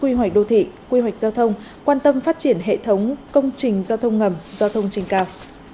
quy hoạch đô thị quy hoạch giao thông quan tâm phát triển hệ thống công trình giao thông ngầm giao thông trên cao